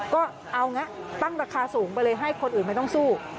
ก็เอางะตั้งราคาสูงไปเลยให้คนอื่นไม่ต้องสู้